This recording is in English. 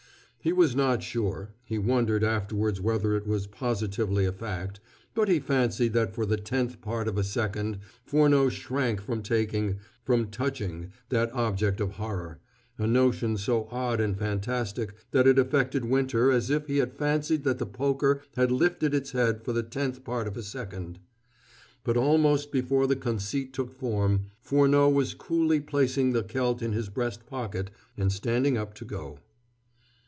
He was not sure he wondered afterwards whether it was positively a fact but he fancied that for the tenth part of a second Furneaux shrank from taking, from touching, that object of horror a notion so odd and fantastic that it affected Winter as if he had fancied that the poker had lifted its head for the tenth part of a second. But almost before the conceit took form, Furneaux was coolly placing the celt in his breast pocket, and standing up to go.